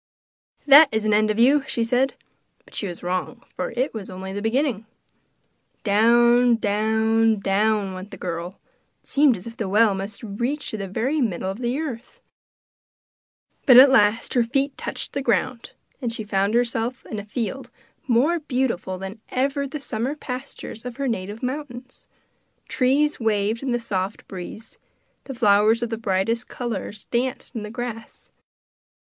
'That is an end of you!' she said. But she was wrong, for it was only the beginning. Down, down, down went the girl it seemed as if the well must reach to the very middle of the earth; but at last her feet touched the ground, and she found herself in a field more beautiful than even the summer pastures of her native mountains. Trees waved in the soft breeze, and flowers of the brightest colours danced in the grass.